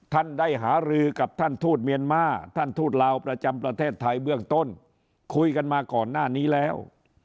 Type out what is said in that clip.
ท่านได้หารือกับท่านทูตเมียนมาร์ท่านทูตลาวประจำประเทศไทยเบื้องต้นคุยกันมาก่อนหน้านี้แล้ว